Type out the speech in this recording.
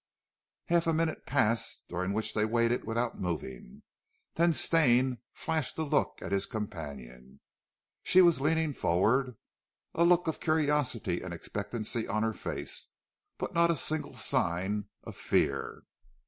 Half a minute passed during which they waited without moving, then Stane flashed a look at his companion. She was leaning forward, a look of curiosity and expectancy on her face, but not a single sign of fear.